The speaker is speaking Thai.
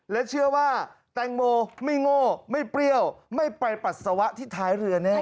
และเชื่อว่าแตงโมไม่โง่ไม่เปรี้ยวไม่ไปปัสสาวะที่ท้ายเรือแน่